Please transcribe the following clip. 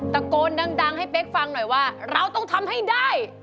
ตะโกนดังให้เป๊กฟังหน่อยว่าเราต้องทำให้ได้